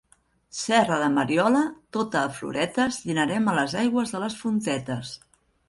Serra de Mariola, tota a floretes, dinarem a les aigües de les fontetes.